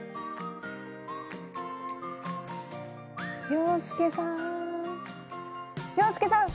洋輔さん洋輔さん！